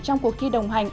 trong cuộc thi đồng hành